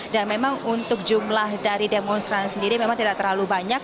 dan memang untuk jumlah dari demonstran sendiri memang tidak terlalu banyak